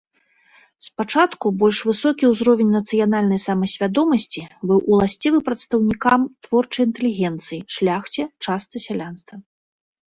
Спачатку больш высокі ўзровень нацыянальнай самасвядомасці быў уласцівы прадстаўнікам творчай інтэлігенцыі, шляхце, частцы сялянства.